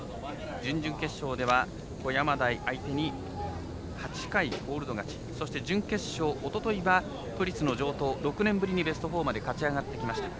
準々決勝では小山台、相手に８回コールド勝ちそして、準決勝おとといは都立の城東６年ぶりにベスト４まで勝ち上がってきました。